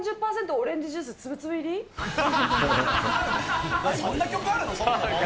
オレンジジュースつぶそんな曲あるの？